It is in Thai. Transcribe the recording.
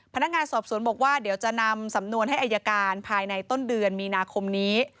พนักงานสอบสวนบอกว่าเดี๋ยวจะนำสำนวนให้อายการภายในต้นเดือนมีนาคมนี้